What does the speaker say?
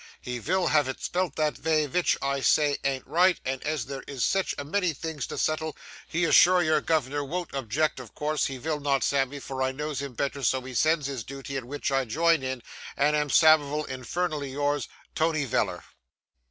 he _vill _have it spelt that vay vich I say ant right and as there is sich a many things to settle he is sure your guvner wont object of course he vill not Sammy for I knows him better so he sends his dooty in which I join and am Samivel infernally yours 'TONY VELLER.